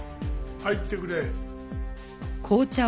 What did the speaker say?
入ってくれ。